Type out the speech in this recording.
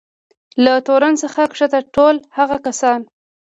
له تورن څخه کښته ټول هغه کسان.